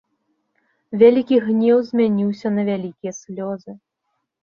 Вялікі гнеў змяніўся на вялікія слёзы.